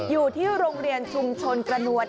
อยู่ที่โรงเรียนชุมชนกระนวล